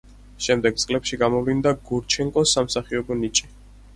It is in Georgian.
შემდეგ წლებში გამოვლინდა გურჩენკოს სამსახიობო ნიჭი.